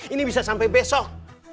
ini bisa sampai besok